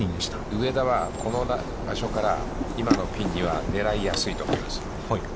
上田は、今のピンには狙いやすいと思います。